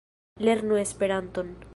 Lernu Esperanton!